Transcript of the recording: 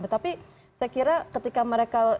tapi saya kira ketika mereka